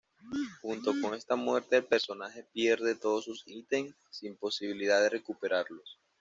Junto con esta muerte el personaje pierde todo sus ítems sin posibilidad de recuperarlos.